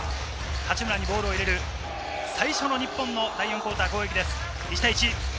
八村にボールを入れる最初の日本の第４クオーターの攻撃です。